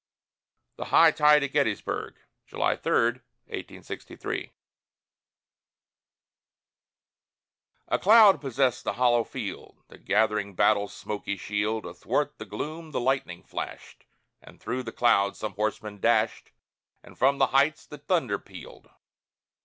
THE HIGH TIDE AT GETTYSBURG [July 3, 1863] A cloud possessed the hollow field, The gathering battle's smoky shield: Athwart the gloom the lightning flashed, And through the cloud some horsemen dashed, And from the heights the thunder pealed.